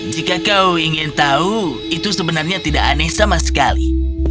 jika kau ingin tahu itu sebenarnya tidak aneh sama sekali